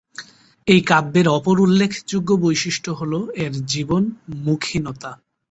এই কাব্যের অপর উল্লেখযোগ্য বৈশিষ্ট্য হল, এর জীবনমুখিনতা।